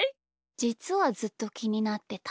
じつはずっときになってた。